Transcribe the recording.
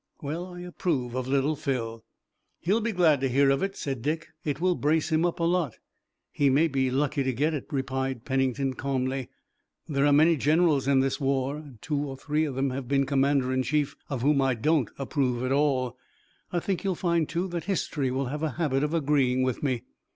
Well, I approve of Little Phil." "He'll be glad to hear of it," said Dick. "It will brace him up a lot." "He may be lucky to get it," replied Pennington calmly. "There are many generals in this war, and two or three of them have been commander in chief, of whom I don't approve at all. I think you'll find, too, that history will have a habit of agreeing with me."